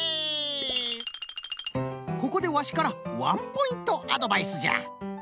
ここでワシからワンポイントアドバイスじゃ。